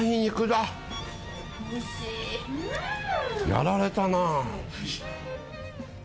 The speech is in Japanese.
やられたな。